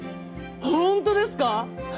本当ですか？